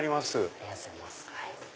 ありがとうございます。